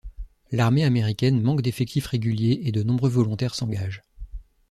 L'armée américaine manque d'effectifs réguliers et de nombreux volontaires s'engagent.